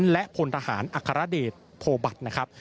และพลทหารอัครเดชโพบัตรนะครับ